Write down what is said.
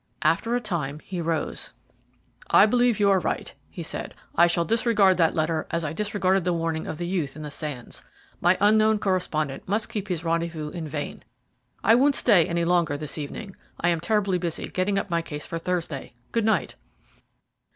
After a time he rose. "I believe you are right," he said. "I shall disregard that letter as I disregarded the warning of the youth on the sands. My unknown correspondent must keep his rendezvous in vain. I won't stay any longer this evening. I am terribly busy getting up my case for Thursday. Good night."